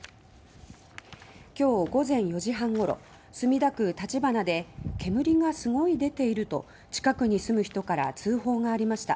今日午前４時半ごろ墨田区立花で煙がすごい出ていると近くに住む人から通報がありました。